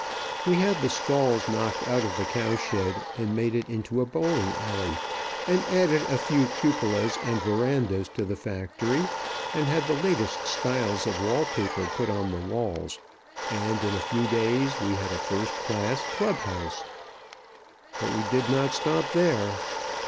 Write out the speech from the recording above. We had the stalls knocked out of the cow shed, and made it into a bowling alley, and added a few cupolas and verandas to the factory, and had the latest styles of wall paper put on the walls, and in a few days we had a first class club house. But we did not stop there.